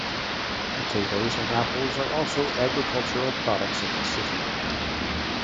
Potatoes and apples are also agricultural products of the city.